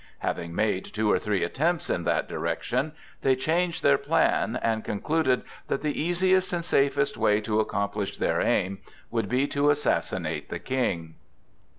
Having made two or three attempts in that direction, they changed their plan, and concluded that the easiest and safest way to accomplish their aim would be to assassinate the King.